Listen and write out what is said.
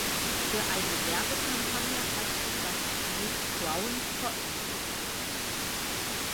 Für eine Werbekampagne hat sie das Lied "Crown" veröffentlicht.